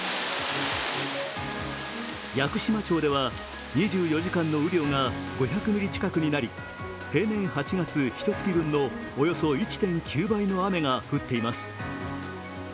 屋久島町では２４時間の雨量が５００ミリ近くになり平年８月、ひとつき分のおよそ１．９倍の雨が降っています。